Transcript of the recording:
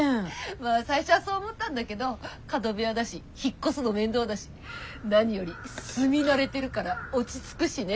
まぁ最初はそう思ったんだけど角部屋だし引っ越すの面倒だし何より住み慣れてるから落ち着くしね。